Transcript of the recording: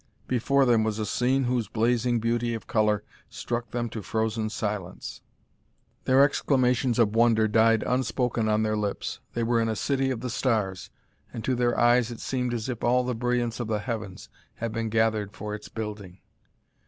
Before them was a scene whose blazing beauty of color struck them to frozen silence; their exclamations of wonder died unspoken on their lips. They were in a city of the stars, and to their eyes it seemed as if all the brilliance of the heavens had been gathered for its building.